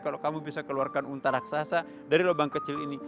kalau kamu bisa keluarkan unta raksasa dari lubang kecil ini